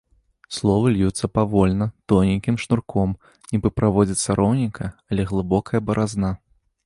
Словы льюцца павольна, тоненькім шнурком, нібы праводзіцца роўненькая, але глыбокая баразна.